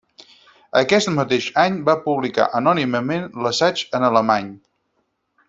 Aquest mateix any va publicar anònimament l'assaig en alemany.